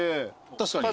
確かに。